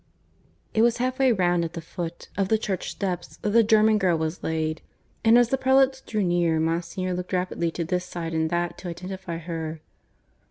_"It was half way round, at the foot of the church steps, that the German girl was laid; and as the prelates drew near Monsignor looked rapidly to this side and that to identify her.